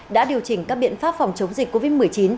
đã điều chỉnh các biện pháp phòng chống dịch covid một mươi chín